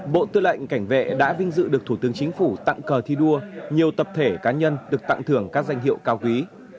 bộ tư lệnh cảnh vệ đã vinh dự được thủ tướng chính phủ tặng cờ thi đua nhiều tập thể cá nhân được tặng thưởng các danh hiệu cao quý